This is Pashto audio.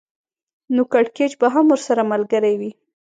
نو کړکېچ به هم ورسره ملګری وي